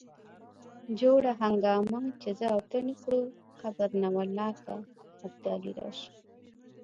جوړه هنګامه چې زه او ته نه کړو قبر نه والله که ابدالي راشي.